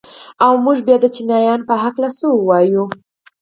او موږ بيا د چينايانو په هکله څه وايو؟